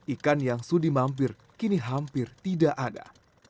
ikan yang sudi mampir kini hampir tidak ada